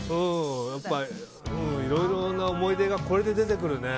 いろいろな思い出がこれで出てくるね。